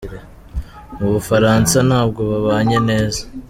Mu bufaransa nta bwo babanye neza.